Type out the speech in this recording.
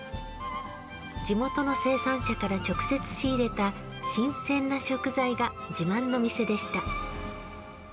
地元の生産者から直接仕入れた新鮮な食材が自慢の店でした。